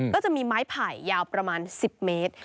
จะมีไม้ไผ่ยาวประมาณ๑๐เมตร